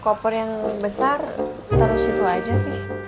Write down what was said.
kopor yang besar taruh situ aja nih